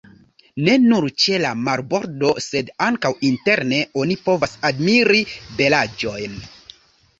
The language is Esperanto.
Ne nur ĉe la marbordo, sed ankaŭ interne, oni povas admiri belaĵojn.